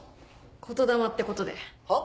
言霊ってことで。は？